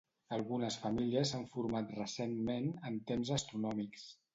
Algunes famílies s'han format recentment, en temps astronòmics.